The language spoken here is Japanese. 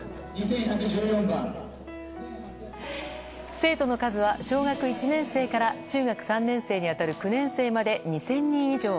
生徒の数は小学１年生から中学３年生に当たる９年生まで２０００人以上。